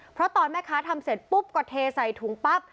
เพราะตอนแม่ค้าทำเสร็จปุ๊บก็เทใส่ถุงปั๊บ